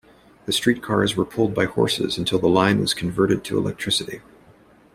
The street cars were pulled by horses until the line was converted to electricity.